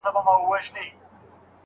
وږي پړانګ غرڅه له لیري وو لیدلی